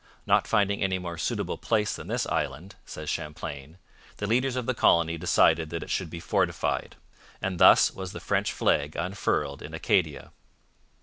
'Not finding any more suitable place than this island,' says Champlain, the leaders of the colony decided that it should be fortified: and thus was the French flag unfurled in Acadia.